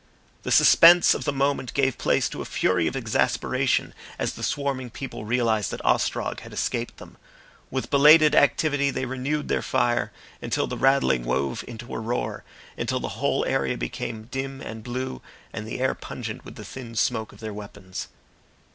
The suspense of the moment gave place to a fury of exasperation as the swarming people realised that Ostrog had escaped them. With belated activity they renewed their fire, until the rattling wove into a roar, until the whole area became dim and blue and the air pungent with the thin smoke of their weapons.